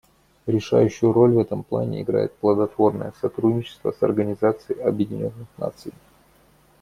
Решающую роль в этом плане играет плодотворное сотрудничество с Организацией Объединенных Наций.